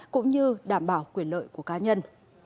cũng như đảm bảo quyền lợi của cá nhân